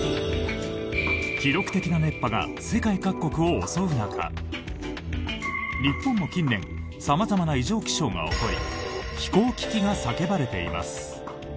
記録的な熱波が世界各国を襲う中日本も近年様々な異常気象が起こり気候危機が叫ばれています。